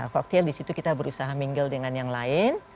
cocktail di situ kita berusaha minggu dengan yang lain